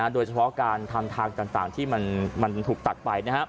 โดยเฉพาะการทำทางต่างที่มันถูกตัดไป